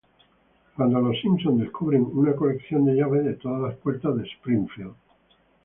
Cuando los Simpson descubren una colección de llaves de todas las puertas de Springfield.